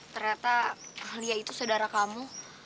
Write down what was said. ternyata ahliah itu saudara kamu